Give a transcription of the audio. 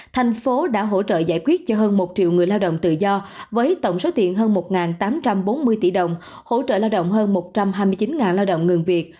thành phố đã hỗ trợ giải quyết cho hơn một triệu người lao động tự do với tổng số tiền hơn một tám trăm bốn mươi tỷ đồng hỗ trợ lao động hơn một trăm hai mươi chín lao động ngừng việc